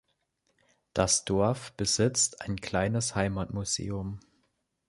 Das Dorf besitzt ein kleines Heimatmuseum.